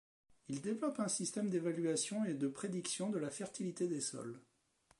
Il développe un système d'évaluation et de prédiction de la fertilité des sols.